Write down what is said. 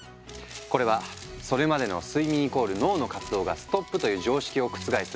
これはそれまでの「睡眠＝脳の活動がストップ」という常識を覆す